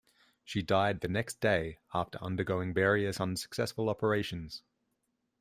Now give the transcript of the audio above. She died the next day after undergoing various unsuccessful operations.